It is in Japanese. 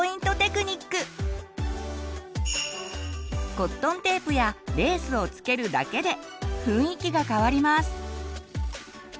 コットンテープやレースを付けるだけで雰囲気が変わります。